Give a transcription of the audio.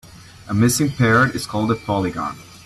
A missing parrot is called a polygon.